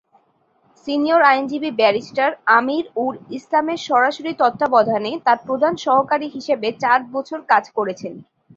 Senior আইনজীবী barrister আমীর-উল-ইসলামের সরাসরি তত্ত্বাবধানে তাঁর প্রধান সহকারী হিসেবে চার বছর কাজ করেছেন।